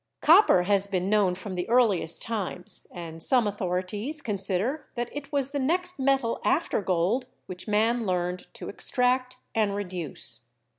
Copper has been known from the earliest times, and some authorities consider that it was the next metal after gold which man learned to extract and reduce.